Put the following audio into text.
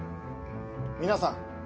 皆さん